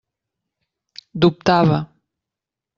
Dubtava.